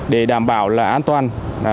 để đảm bảo là an toàn